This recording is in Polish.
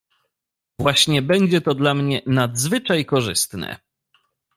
"Właśnie będzie to dla mnie nadzwyczaj korzystne."